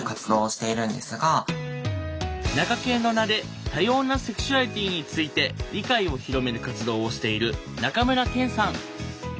なかけんの名で多様なセクシュアリティーについて理解を広める活動をしている中村健さん。